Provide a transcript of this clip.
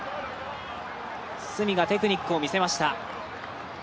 角がテクニックを見せました。